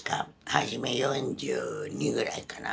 初め４２ぐらいかな。